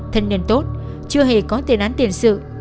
thân nhân tốt chưa hề có tiền án tiền sự